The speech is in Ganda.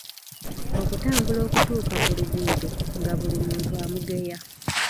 Okutambula okutuuka ku luguudo, nga buli muntu amugeya.